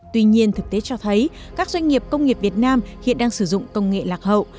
tuy nhiên thực tế cho thấy các doanh nghiệp công nghiệp việt nam hiện đang sử dụng công nghệ lạc hậu